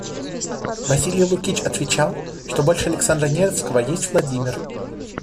Василий Лукич отвечал, что больше Александра Невского есть Владимир.